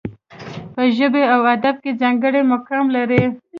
په ژبه او ادب کې ځانګړی مقام لري.